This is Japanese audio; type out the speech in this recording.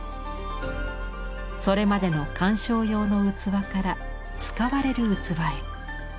それまでの鑑賞用の器から使われる器へ。